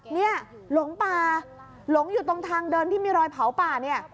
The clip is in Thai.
หลงป่าหลงอยู่ตรงทางเดินที่มีรอยเผาป่าเนี่ย